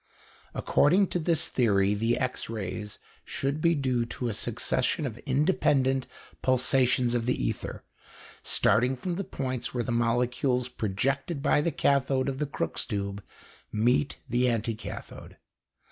According to this theory the X rays should be due to a succession of independent pulsations of the ether, starting from the points where the molecules projected by the cathode of the Crookes tube meet the anticathode.